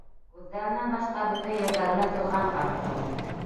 Күҙҙәренән башҡа бөтә ерҙәре лә туҙған ҡарттың.